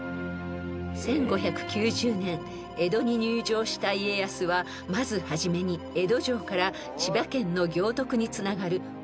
［１５９０年江戸に入城した家康はまず始めに江戸城から千葉県の行徳につながる］